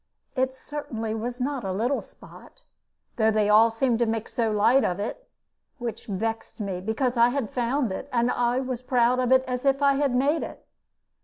It certainly was not a little spot, though they all seemed to make so light of it which vexed me, because I had found it, and was as proud as if I had made it.